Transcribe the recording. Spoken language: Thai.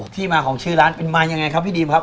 ที่มาของชื่อร้านเป็นมายังไงครับพี่ดีมครับ